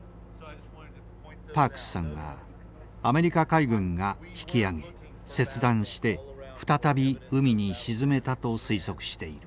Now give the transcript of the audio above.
パークスさんはアメリカ海軍が引き揚げ切断して再び海に沈めたと推測している。